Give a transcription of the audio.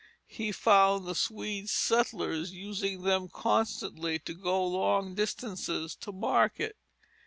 He found the Swede settlers using them constantly to go long distances to market.